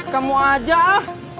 kamu aja ah